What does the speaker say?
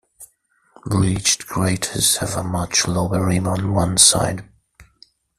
Breached craters have a much lower rim on one side.